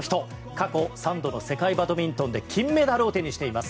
過去３度、世界バドミントンで金メダルを手にしています